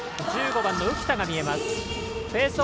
１５番の浮田が見えます。